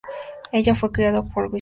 Ella fue criada en Wisconsin.